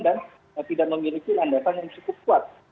dan tidak memiliki landasan yang cukup kuat